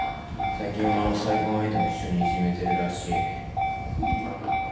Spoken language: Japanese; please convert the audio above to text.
最近はあの再婚相手も一緒にいじめてるらしい。